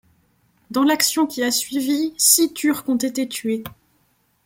Dans l'action qui a suivi, six Turcs ont été tués.